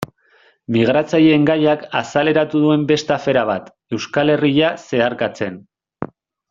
Migratzaileen gaiak azaleratu duen beste afera bat, Euskal Herria zeharkatzen.